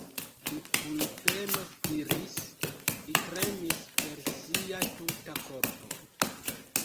Li kun peno spiris, li tremis per sia tuta korpo.